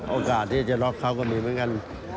โอกาสที่จะล็อกเขาก็มีเหมือนกัน